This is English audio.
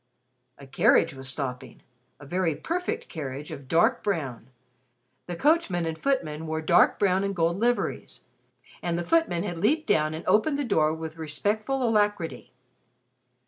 A carriage was stopping a very perfect carriage of dark brown. The coachman and footman wore dark brown and gold liveries, and the footman had leaped down and opened the door with respectful alacrity.